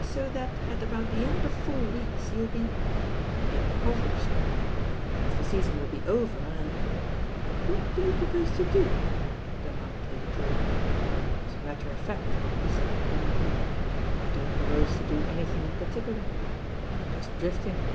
"So that at about the end of four weeks you will be •■»» "Impoverished, but as the Season will be over and " "What do you propose to do?" demanded Lady Drewitt. "As a matter of fact," he said candidly, "I don't propose to do anything in particular. I'm just drifting."